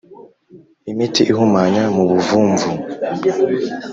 imiti ihumanya mu buvumvu